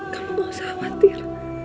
kamu nggak usah khawatir